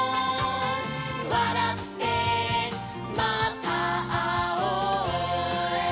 「わらってまたあおう」